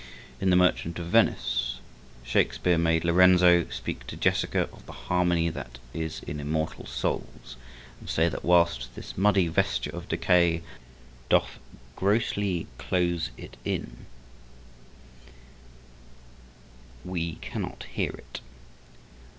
In the Merchant of Venice, Shakespeare made Lorenzo speak to Jessica of the harmony that is in immortal souls and say that "whilst this muddy vesture of decay doth grossly close it in we cannot hear it."